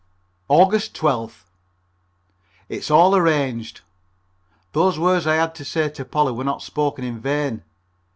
Aug. 12th. It's all arranged. Those words I had to say to Polly were not spoken in vain.